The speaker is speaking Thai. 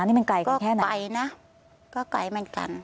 นี่มันไกลแค่ไหนไกลนะก็ไกลเหมือนกัน